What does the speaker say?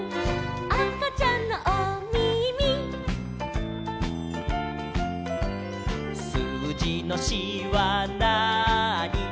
「あかちゃんのおみみ」「すうじの４はなーに」